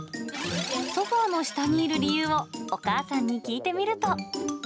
ソファの下にいる理由をお母さんに聞いてみると。